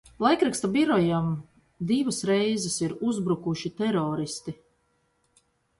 Laikraksta birojam divas reizes ir uzbrukuši teroristi.